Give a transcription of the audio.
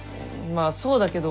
まあそうだけど。